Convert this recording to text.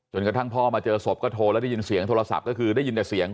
กระทั่งพ่อมาเจอศพก็โทรแล้วได้ยินเสียงโทรศัพท์ก็คือได้ยินแต่เสียง